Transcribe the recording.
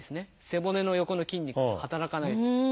背骨の横の筋肉働かないです。